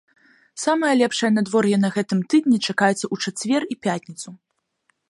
Самае лепшае надвор'е на гэтым тыдні чакаецца ў чацвер і пятніцу.